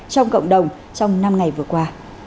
trong cộng đồng trong năm ngày vừa qua